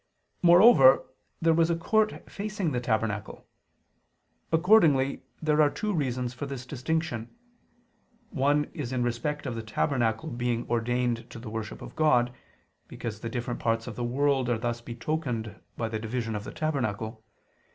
Moreover there was a court facing the tabernacle. Accordingly there are two reasons for this distinction. One is in respect of the tabernacle being ordained to the worship of God. Because the different parts of the world are thus betokened by the division of the tabernacle.